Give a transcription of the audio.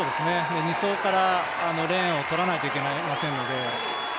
２走からレーンを取らないといけませんので。